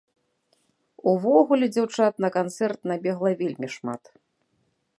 Увогуле, дзяўчат на канцэрт набегла вельмі шмат.